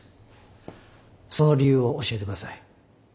その理由を教えてください。